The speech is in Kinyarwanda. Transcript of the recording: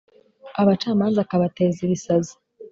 abacamanza akabateza ibisazi